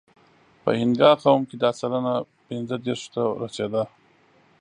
په اینګا قوم کې دا سلنه پینځهدېرشو ته رسېده.